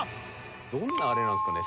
どんなあれなんですかね？